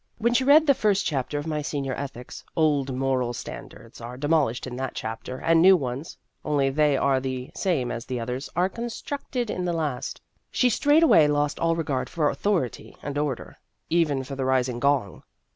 When she read the first chapter in my senior ethics (old moral standards are demolished in that chapter, and new ones only they are the same as the others are constructed in the last), she straightway lost all regard for author ity and order even for the rising gong.